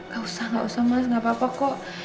gak usah gak usah mas gak apa apa kok